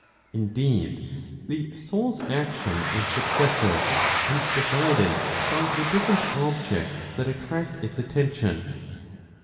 Indeed, the soul's action is successive, and divided by the different objects that attract its attention.